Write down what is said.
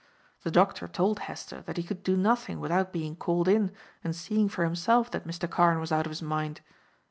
The doctor told Hester that he could do nothing without being called in and seeing for himself that Mr. Carne was out of his mind.